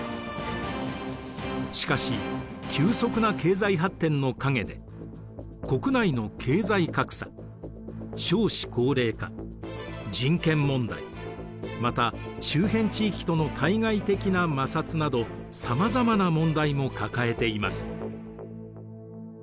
しかし急速な経済発展の陰で国内の経済格差少子高齢化人権問題また周辺地域との対外的な摩擦などさまざまな問題も抱えています。